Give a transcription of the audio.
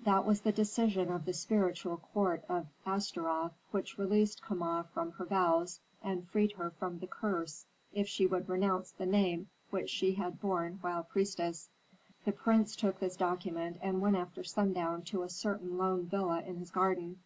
That was the decision of the spiritual court of Astaroth, which released Kama from her vows and freed her from the curse if she would renounce the name which she had borne while priestess. The prince took this document and went after sundown to a certain lone villa in his garden.